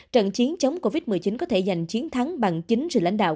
trận chiến chống covid một mươi chín có thể giành chiến thắng bằng chính sự lãnh đạo